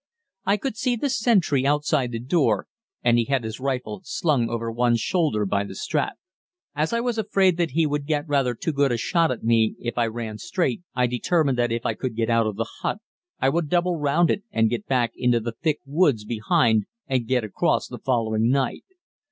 I could see the sentry outside the door, and he had his rifle slung over one shoulder by the strap. As I was afraid that he would get rather too good a shot at me if I ran straight, I determined that if I could get out of the hut I would double round it and get back into the thick woods behind and get across the following night.